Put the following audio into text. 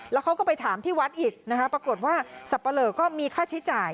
แล้วเขาก็ไปถามที่วัดอีกนะคะปรากฏว่าสับปะเหลอก็มีค่าใช้จ่าย